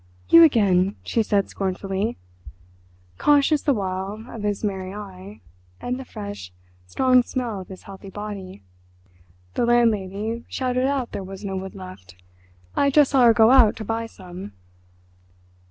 "You again," she said scornfully, conscious the while of his merry eye, and the fresh, strong smell of his healthy body. "The landlady shouted out there was no wood left. I just saw her go out to buy some."